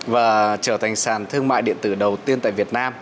và trở thành sàn thương mại điện tử đầu tiên tại việt nam